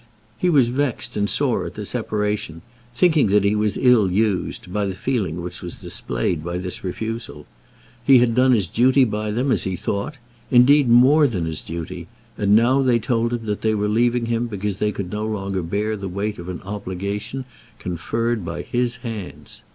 He was vexed and sore at the separation, thinking that he was ill used by the feeling which was displayed by this refusal. He had done his duty by them, as he thought; indeed more than his duty, and now they told him that they were leaving him because they could no longer bear the weight of an obligation conferred by his hands.